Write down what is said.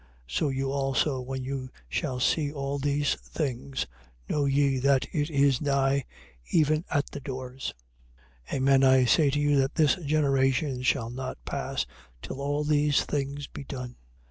So you also, when you shall see all these things, know ye that it is nigh, even at the doors. 24:34. Amen I say to you that this generation shall not pass till all these things be done.